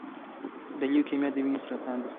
د لیوکیمیا د وینې سرطان دی.